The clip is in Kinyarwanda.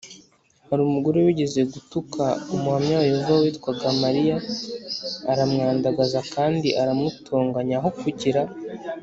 Hari umugore wigeze gutuka Umuhamya wa Yehova witwa Maria aramwandagaza kandi aramutonganya Aho kugira